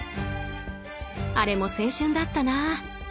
あれも青春だったな。